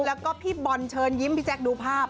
แล้วก็พี่บอลเชิญยิ้มพี่แจ๊คดูภาพ